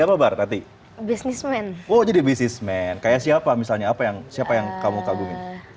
apa bar nanti bisnismen oh jadi bisnismen kayak siapa misalnya apa yang siapa yang kamu kagum